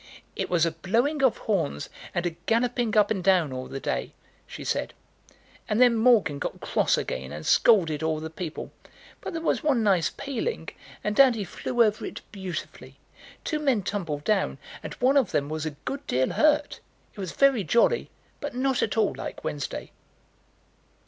"It was a blowing of horns and a galloping up and down all the day," she said; "and then Morgan got cross again and scolded all the people. But there was one nice paling, and Dandy flew over it beautifully. Two men tumbled down, and one of them was a good deal hurt. It was very jolly; but not at all like Wednesday."